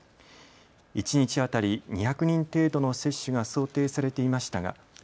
一日当たり２００人程度の接種が想定されていましたが。